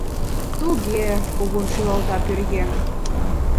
— Туге-э, — кугун шӱлалта пӧръеҥ.